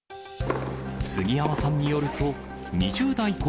杉山さんによると、２０代後